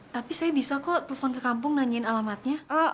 tapi saya bisa kok telepon ke kampung nanyain alamatnya